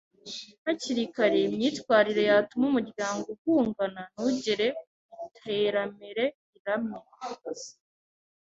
hakiri kare imyitwarire yatuma umuryango uhungana ntugere ku iteramere riramye